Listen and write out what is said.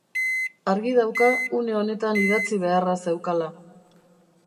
Argi dauka une honetan idatzi beharra zeukala.